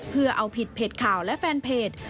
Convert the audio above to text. เพื่อเอาผิดเพจข่าวและแฟนเพจ